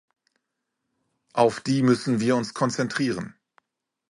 Auf die müssen wir uns konzentrieren.